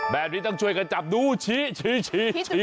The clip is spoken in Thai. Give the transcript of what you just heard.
แบบนี้ต้องช่วยกันจับดูชี้